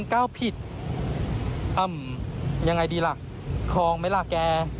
ตอดตานตีเก้าผิดอ่ายังไงดีล่ะคลองไหมล่ะแก